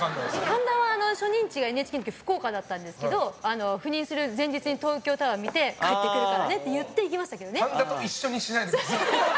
神田は初任地がＮＨＫの時福岡だったんですけど赴任する前日に東京タワー見て帰ってくるからねって言って行きましたけどね。